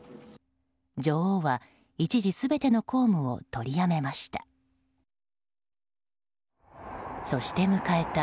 女王は一時、全ての公務を取りやめました。